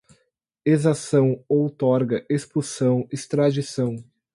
exação, outorga, expulsão, extradição